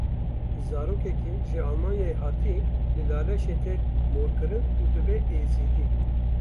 Zarokekî ji Almanyayê hatî li Laleşê tê morkirin û dibe Êzidî.